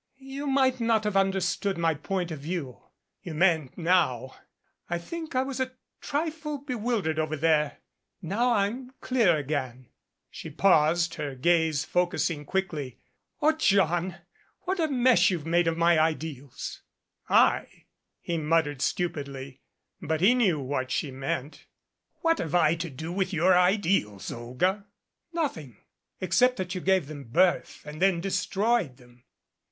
"You might not have understood my point of view. You mayn't now. I think I was a trifle bewildered over there. Now I'm clear again." She paused, her gaze focus ing quickly, "O John, what a mess you've made of my ideals !" "I?" he muttered stupidly, but he knew what she meant. "What have I to do with your ideals, Olga?" "Nothing except that you gave them birth and then destroyed them.